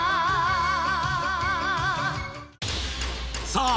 さあ